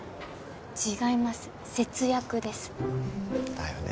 違います節約ですだよね